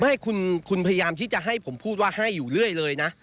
ไม่คุณพยายามที่จะให้ผมพูดว่าให้อยู่เรื่อยเลยนะ